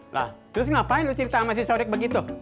lah terus ngapain lu cerita sama si sodik begitu